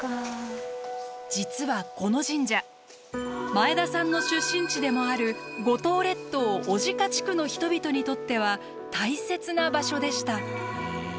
実はこの神社前田さんの出身地でもある五島列島小値賀地区の人々にとっては大切な場所でした。